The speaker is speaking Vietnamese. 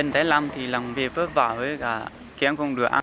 theo thống kê của các cơ quan chức năng